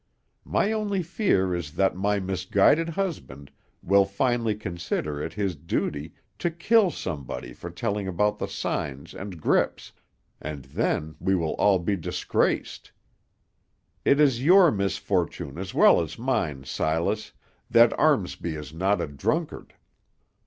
My only fear is that my misguided husband will finally consider it his duty to kill somebody for telling about the signs and grips, and then we will all be disgraced. It is your misfortune as well as mine, Silas, that Armsby is not a drunkard.